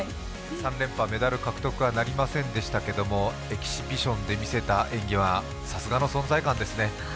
３連覇、メダル獲得はなりませんでしたけれどもエキシビションで見せた演技はさすがの存在感ですね。